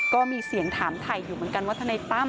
ก็มีเสียงถามถ่ายอยู่เหมือนกันว่าทนายตั้ม